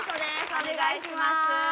お願いします。